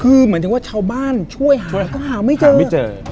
คือเหมือนจะว่าชาวบ้านช่วยหาก็หาไม่เจอ